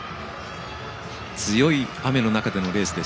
強い雨の中でのレース。